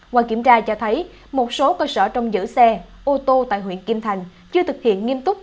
qua kiểm tra cho thấy một số cơ sở trong giữ xe ô tô tại huyện kim thành chưa thực hiện nghiêm túc